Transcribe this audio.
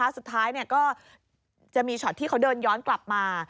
สุดท้ายก็จะมีช็อตที่เขาเดินย้อนกลับมา